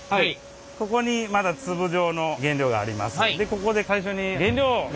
ここにまだ粒状の原料があります。